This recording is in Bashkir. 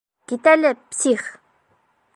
Кит әле, псих!